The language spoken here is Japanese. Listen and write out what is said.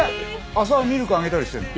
浅輪もミルクあげたりしてるの？